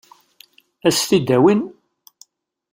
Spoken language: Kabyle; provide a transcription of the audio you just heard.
Ad s-t-id-awin?